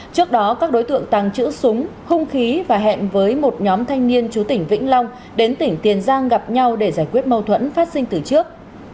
trước đó các đối tượng tàng trữ súng hung khí và hẹn với một nhóm thanh niên chú tỉnh vĩnh long đến tỉnh tiền giang gặp nhau để giải quyết mâu thuẫn phát sinh từ trước